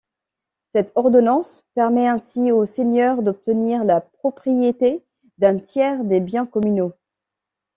Cette ordonnance permet ainsi au seigneur d'obtenir la propriété d'un tiers des biens communaux.